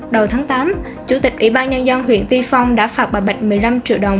đầu tháng tám chủ tịch ủy ban nhân dân huyện tuy phong đã phạt bà bạch một mươi năm triệu đồng